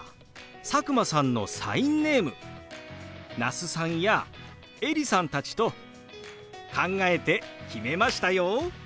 佐久間さんのサインネーム那須さんやエリさんたちと考えて決めましたよ。